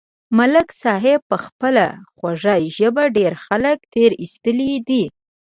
ملک صاحب په خپله خوږه ژبه ډېر خلک تېر ایستلي دي.